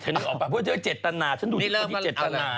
ที่เมืองเนื้อหมาว่าคือแมงไทยบางคนหลงเนื้อหมู